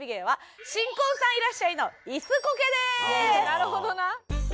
なるほどな！